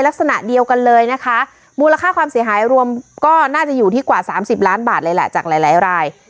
ลักษณะเดียวกันเลยนะคะมูลค่าความเสียหายรวมก็น่าจะอยู่ที่กว่า๓๐ล้านบาทเลยแหละจากหลายหลายราย